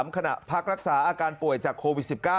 ขณะพักรักษาอาการป่วยจากโควิด๑๙